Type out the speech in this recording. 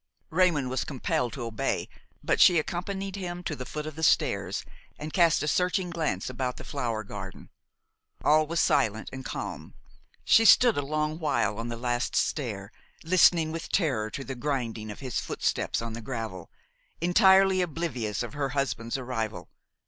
Raymon was compelled to obey; but she accompanied him to the foot of the stairs and cast a searching glance about the flower garden. All was silent and calm. She stood a long while on the last stair, listening with terror to the grinding of his footsteps on the gravel, entirely oblivious of her husband's arrival.